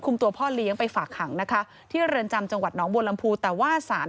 คุมตัวพ่อเลี้ยงไปฝากหังที่เรือนจำจังหวัดน้องโบรัมภูตว่าสาร